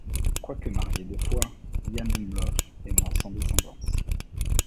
Quoique marié deux fois, Jan Umlauf est mort sans descendance.